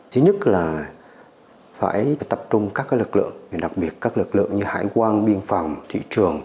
thứ nhất là phải tập trung các lực lượng đặc biệt các lực lượng như hải quan biên phòng thị trường